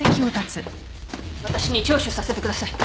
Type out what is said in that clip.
私に聴取させてください。